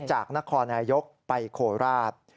จากนครนายกไปโคราช